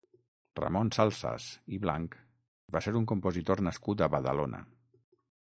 Ramon Salsas i Blanch va ser un compositor nascut a Badalona.